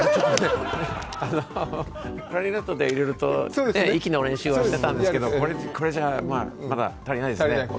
あの、クラリネットでいろいろと息の練習はしてたんですけどこれじゃまだ足りないですね。